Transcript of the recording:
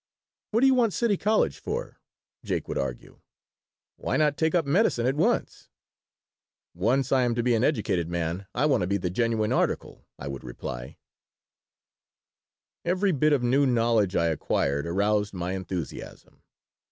"What do you want City College for?" Jake would argue. "Why not take up medicine at once?" "Once I am to be an educated man I want to be the genuine article," I would reply Every bit of new knowledge I acquired aroused my enthusiasm.